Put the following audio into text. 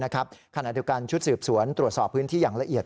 ขณะเดียวกันชุดสืบสวนตรวจสอบพื้นที่อย่างละเอียด